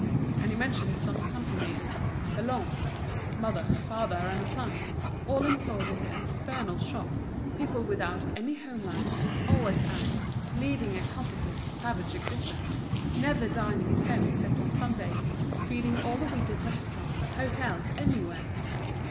And he mentioned some country neighbours, the Lhommes—mother, father, and son—all employed in the infernal shop, people without any home life, always out, leading a comfortless, savage existence, never dining at home except on Sunday, feeding all the week at restaurants, hôtels, anywhere.